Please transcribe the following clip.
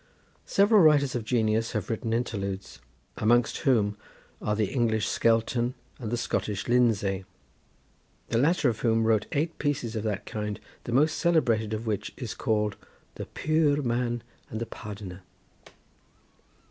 Several writers of genius have written interludes, amongst whom are the English Skelton and the Scottish Lindsay, the latter of whom wrote eight pieces of that kind, the most celebrated of which is called "The Puir Man and the Pardonar."